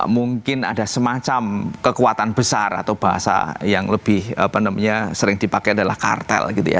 mungkin ada semacam kekuatan besar atau bahasa yang lebih sering dipakai adalah kartel gitu ya